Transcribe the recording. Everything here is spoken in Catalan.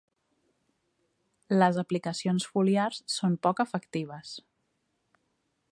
Les aplicacions foliars són poc efectives.